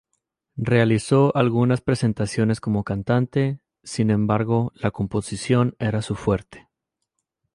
Realizó algunas presentaciones como cantante, sin embargo la composición era su fuerte.